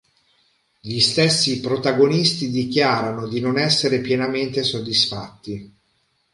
Gli stessi protagonisti dichiarano di non essere pienamente soddisfatti.